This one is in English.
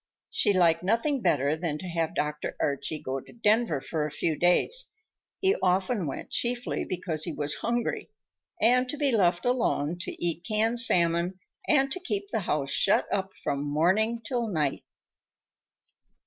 She liked nothing better than to have Dr. Archie go to Denver for a few days—he often went chiefly because he was hungry—and to be left alone to eat canned salmon and to keep the house shut up from morning until night.